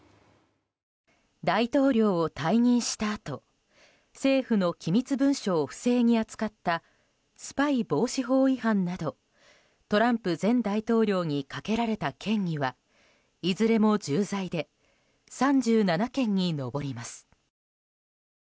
大統領を退任したあと政府の機密文書を不正に扱ったスパイ防止法違反などトランプ前大統領にかけられた嫌疑はいずれも重罪で３７件に上ります。